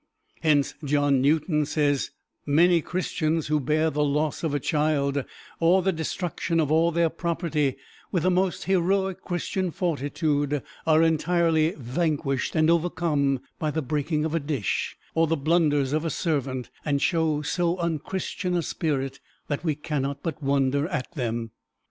Hence John Newton says, "Many Christians, who bear the loss of a child, or the destruction of all their property, with the most heroic Christian fortitude, are entirely vanquished and overcome by the breaking of a dish, or the blunders of a servant, and show so unchristian a spirit, that we cannot but wonder at them."